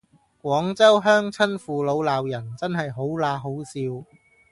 廣州鄉親父老鬧人真係好嗱好笑